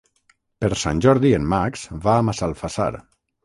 Per Sant Jordi en Max va a Massalfassar.